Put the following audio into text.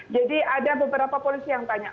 jadi ada beberapa polisi yang tanya